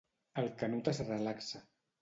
El Canut es relaxa.